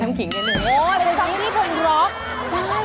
โอ้ฟังเลยนี่จะร้อง